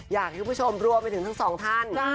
อยากให้ผู้ชมรวมไปถึงทั้ง๒ท่าน